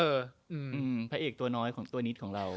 พระเอกตัวน้อยของตัวนิดของเรา